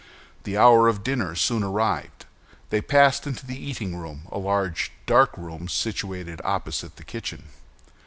The hour of dinner soon arrived. They passed into the eating room—a large dark room situated opposite the kitchen.